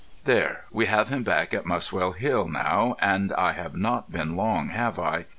There, we have him back at Muswell Hill now, and I have not been long, have I?